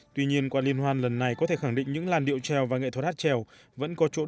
tuy nhiên qua liên hoan lần này có thể khẳng định những làn điệu trèo và nghệ thuật hát trèo vẫn có chỗ đứng